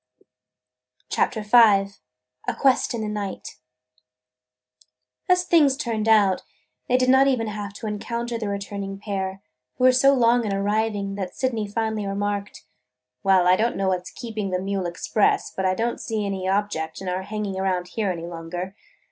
CHAPTER V A QUEST IN THE NIGHT AS things turned out, they did not even have to encounter the returning pair, who were so long in arriving that Sydney finally remarked: "Well, I don't know what 's keeping the mule express, but I don't see any object in our hanging around here any longer.